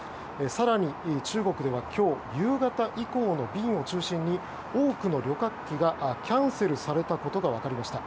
更に、中国では今日夕方以降の便を中心に多くの旅客機がキャンセルされたことが分かりました。